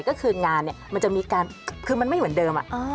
ก็คืองานเนี่ยมันจะมีการคือมันไม่เหมือนเดิม